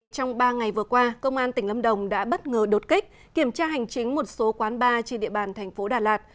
trong ba ngày vừa qua công an tỉnh lâm đồng đã bất ngờ đột kích kiểm tra hành chính một số quán bar trên địa bàn thành phố đà lạt